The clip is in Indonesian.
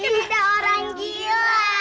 ini udah orang gila